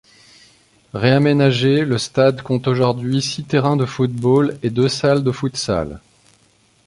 Réaménagé, le stade compte aujourd'hui six terrains de football et deux salles de futsal.